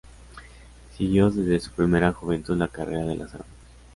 Siguió desde su primera juventud la carrera de las armas.